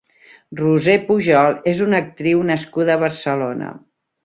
Roser Pujol és una actriu nascuda a Barcelona.